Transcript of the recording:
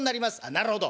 「なるほど。